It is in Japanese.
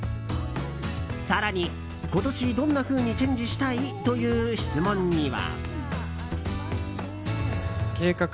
更に、今年どんなふうにチェンジしたい？という質問には。